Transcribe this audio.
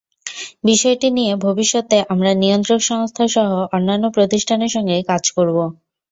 বিষয়টি নিয়ে ভবিষ্যতে আমরা নিয়ন্ত্রক সংস্থাসহ অন্যান্য প্রতিষ্ঠানের সঙ্গে কাজ করব।